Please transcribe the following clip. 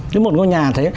nếu một ngôi nhà thế